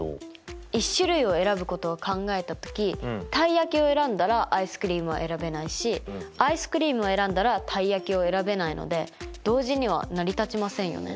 １種類を選ぶことを考えた時たい焼きを選んだらアイスクリームは選べないしアイスクリームを選んだらたい焼きを選べないので同時には成り立ちませんよね。